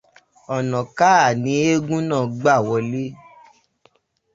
Ọ̀nà káà ni eégún náà gbà wọlé.